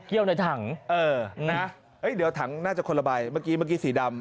เกี้ยวในถังเออนะเอ๊ยเดี๋ยวถังน่าจะคนละบายเมื่อกี้เมื่อกี้สีดำ